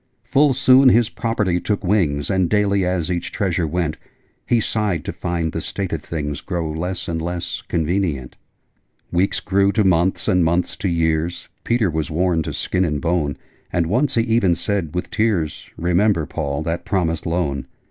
Full soon his property took wings: And daily, as each treasure went, He sighed to find the state of things Grow less and less convenient. Weeks grew to months, and months to years: Peter was worn to skin and bone: And once he even said, with tears, 'Remember, Paul, that promised Loan!'